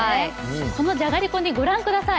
このじゃがりこ、ご覧ください